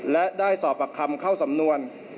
และได้สอบปากคำเข้าสำนวน